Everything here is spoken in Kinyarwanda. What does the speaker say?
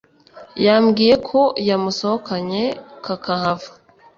yambwiye ko yamusohokanye kakahava